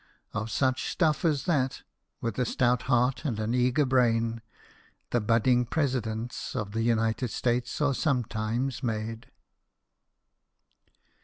Of such stuff as that, with a stout heart and an eager brain, the budding presidents of the United States are sometimes made.